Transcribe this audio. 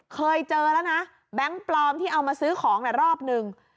เคยเจอแล้วนะแบงค์ปลอมที่เอามาซื้อของรอบหนึ่ง